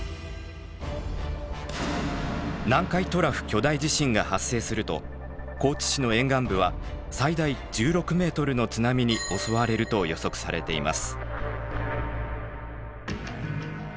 南海トラフ巨大地震が発生すると高知市の沿岸部は最大１６ｍの津波に襲われると予測されています。